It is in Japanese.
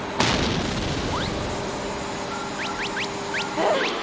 えっ？